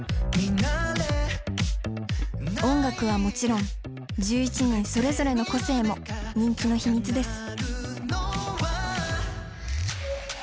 音楽はもちろん１１人それぞれの個性も人気の秘密です。